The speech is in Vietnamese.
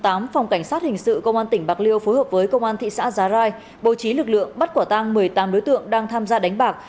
công an phòng cảnh sát hình sự công an tỉnh bạc liêu phối hợp với công an thị xã già rai bầu trí lực lượng bắt quả tang một mươi tám đối tượng đang tham gia đánh bạc